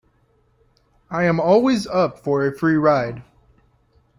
I'm always up for a free ride.